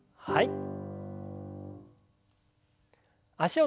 はい。